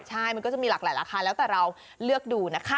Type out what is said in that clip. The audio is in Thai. ใช่มันก็จะมีหลากหลายราคาแล้วแต่เราเลือกดูนะคะ